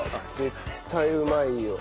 絶対うまいよ。